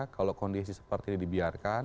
kalau kondisi seperti ini dibiarkan